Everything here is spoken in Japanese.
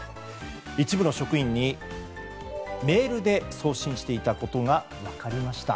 一部の職員にメールで送信していたことが分かりました。